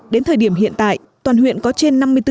đến thời điểm hiện tại toàn huyện có trên năm mươi bốn gia đình đồng